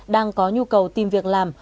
đang có nhu cầu tìm việc làm